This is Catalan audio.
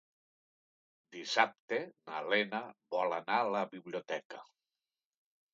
Dissabte na Lena vol anar a la biblioteca.